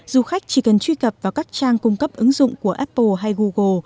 du khách chỉ cần truy cập vào các trang cung cấp ứng dụng của apple hay google